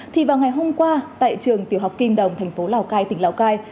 thì vào ngày hôm qua tại trường tiểu học kim đồng thành phố lào cai tỉnh lào cai